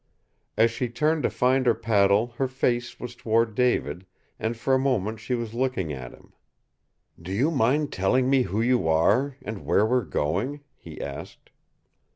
As she turned to find her paddle her face was toward David, and for a moment she was looking at him. "Do you mind telling me who you are, and where we are going?" he asked.